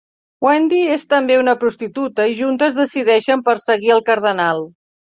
Wendy és també una prostituta i juntes decideixen perseguir el cardenal.